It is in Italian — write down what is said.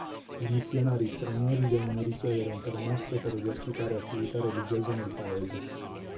I missionari stranieri devono richiedere un permesso per esercitare attività religiose nel Paese.